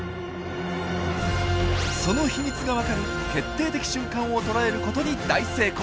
その秘密がわかる決定的瞬間を捉えることに大成功！